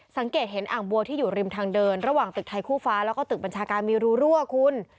สังเกตเห็นอ่างบัวที่อยู่ริมทางเดินระหว่างตึกไทยคู่ฟ้าแล้วก็ตึกบัญชาการมีรูรั่วคุณ